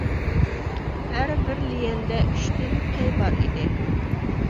ھەر بىر ليەندە ئۈچتىن پەي بار ئىدى.